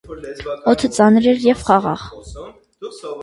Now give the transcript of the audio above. Օդը ծանր էր և խաղաղ: